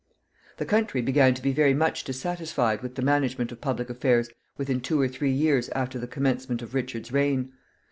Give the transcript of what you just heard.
The country began to be very much dissatisfied with the management of public affairs within two or three years after the commencement of Richard's reign.